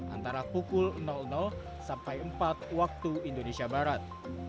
antara pukul sampai empat waktu indonesia barat